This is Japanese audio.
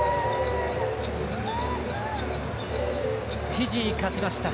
フィジー、勝ちました。